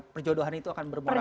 perjodohan itu akan bermula